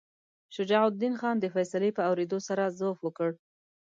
شجاع الدین خان د فیصلې په اورېدو سره ضعف وکړ.